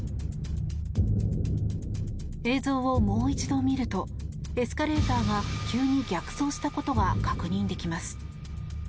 映像をもう一度見るとエスカレーターが急に逆走したことが確認できます。